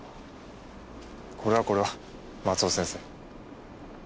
これはこれは松尾先生。